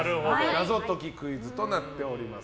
謎解きクイズとなっております。